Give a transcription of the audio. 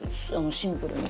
シンプルに。